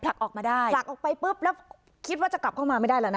ออกมาได้ผลักออกไปปุ๊บแล้วคิดว่าจะกลับเข้ามาไม่ได้แล้วนะ